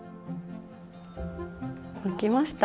できました！